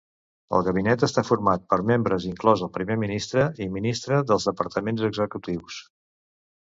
El gabinet està format per membres, inclòs el primer ministre i ministres dels departaments executius.